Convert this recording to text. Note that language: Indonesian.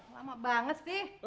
lama banget sih